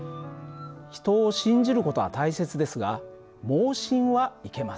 人を信じる事は大切ですが妄信はいけません。